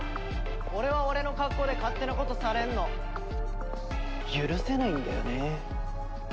俺は俺の格好で勝手なことされるの許せないんだよね。